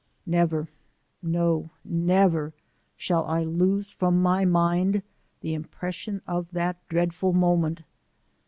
Never, no, never shall I lose from ray mind the impression of that dreadful moment.